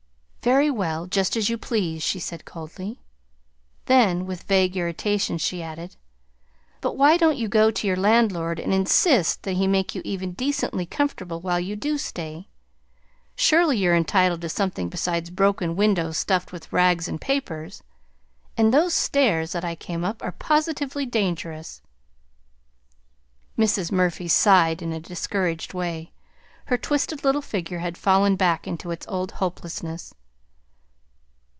"Very well, just as you please," she said coldly. Then, with vague irritation she added: "But why don't you go to your landlord and insist that he make you even decently comfortable while you do stay? Surely you're entitled to something besides broken windows stuffed with rags and papers! And those stairs that I came up are positively dangerous." Mrs. Murphy sighed in a discouraged way. Her twisted little figure had fallen back into its old hopelessness.